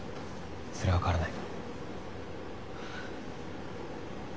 それは変わらない。